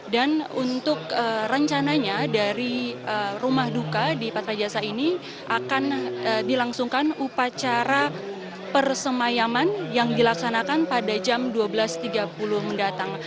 dan untuk rencananya dari rumah duka di patra jasa ini akan dilangsungkan upacara persemayaman yang dilaksanakan pada jam dua belas tiga puluh mendatang